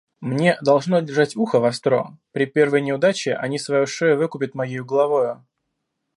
Мне должно держать ухо востро; при первой неудаче они свою шею выкупят моею головою».